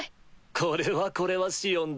これはこれはシオン殿。